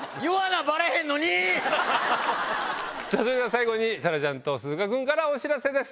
最後に彩良ちゃんと鈴鹿君からお知らせです。